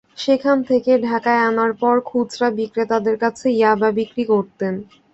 সেখান থেকে ঢাকায় আনার পর খুচরা বিক্রেতাদের কাছে ইয়াবা বিক্রি করতেন।